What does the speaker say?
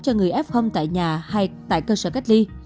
cho người f tại nhà hay tại cơ sở cách ly